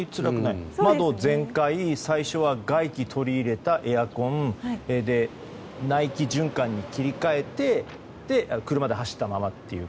窓全開、まずは外気を取り入れたエアコン内気循環に切り替えて車で走ったままという。